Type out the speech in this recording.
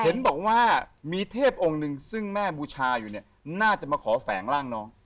เห็นบอกว่ามีเทพองค์หนึ่งซึ่งแม่บูชาอยู่เนี่ยน่าจะมาขอแฝงร่างน้อง